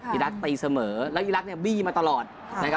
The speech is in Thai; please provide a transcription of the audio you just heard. อิรักษ์ตีเสมอแล้วอิรัอกเนี่ยบี่มาตลอเด